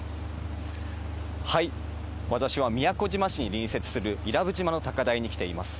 私は宮古島市に隣接する伊良部島の高台に来ています。